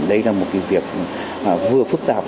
đây là một việc vừa phức tạp